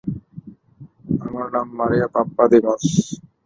আমার নাম Maria Pappadimos.